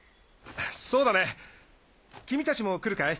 そうだね君達も来るかい？